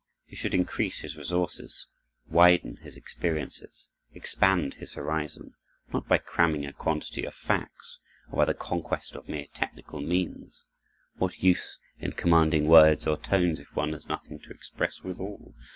He should increase his resources, widen his experiences, expand his horizon; not by cramming a quantity of facts, or by the conquest of mere technical means—what use in commanding words, or tones, if one has nothing to express withal?